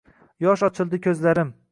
Yosh ochildi ko’zlarim.